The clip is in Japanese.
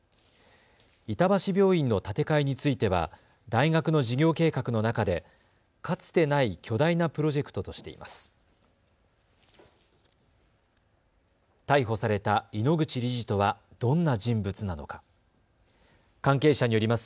板橋病院の建て替えについては大学の事業計画の中でかつてない巨大なプロジェクトとしています。